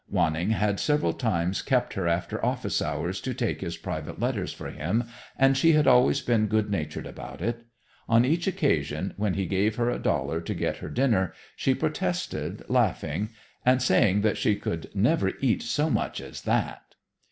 Wanning had several times kept her after office hours to take his private letters for him, and she had always been good natured about it. On each occasion, when he gave her a dollar to get her dinner, she protested, laughing, and saying that she could never eat so much as that.